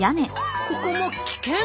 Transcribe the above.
ここも危険！